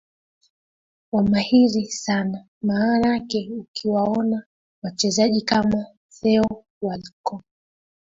wa mahiri sana maanake ukiwaona wachezaji kama theo walcot